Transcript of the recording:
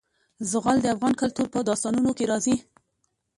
زغال د افغان کلتور په داستانونو کې راځي.